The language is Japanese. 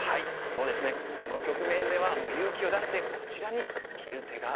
そうですねこの局面ではもう勇気を出してこちらに切る手が。